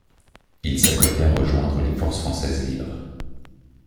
Il s'appêtait à rejoindre les Forces françaises libres.